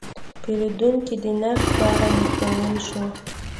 پیرودونکی د نرخ په اړه مطمین شو.